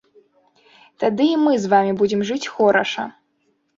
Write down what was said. Тады і мы з вамі будзем жыць хораша.